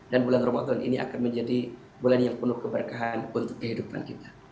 dan bulan ramadan ini akan menjadi bulan yang penuh keberkahan untuk kehidupan kita